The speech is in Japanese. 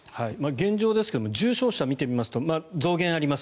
現状ですが重症者を見てみますと増減あります。